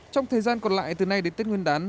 trong thời gian còn lại từ nay đến tết nguyên đán